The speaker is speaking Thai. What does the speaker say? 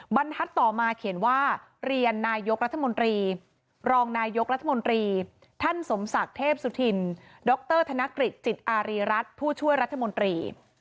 บรรทัศน์ต่อมาเขียนว่าเรียนนายกรัฐมนตรีรองนายกรัฐมนตรีท่านสมศักดิ์เทพสุธินดรธนกฤษจิตอารีรัฐผู้ช่วยรัฐมนตรี